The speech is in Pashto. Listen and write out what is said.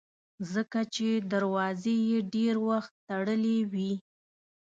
ځکه چې دروازې یې ډېر وخت تړلې وي.